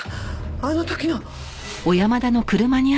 あの時の。